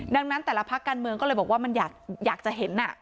ดังนั้นแต่ละพักการเมืองก็เลยบอกว่ามันอยากจะเห็น